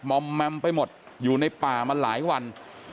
อมแมมไปหมดอยู่ในป่ามาหลายวัน